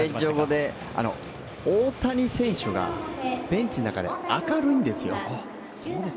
大谷選手がベンチの中で明るいんですよ。